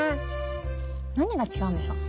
何が違うんでしょう。